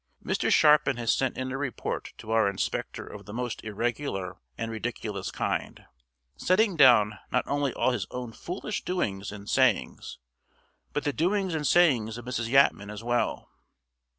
Mr. Sharpin has sent in a report to our inspector of the most irregular and ridiculous kind, setting down not only all his own foolish doings and sayings, but the doings and sayings of Mrs. Yatman as well.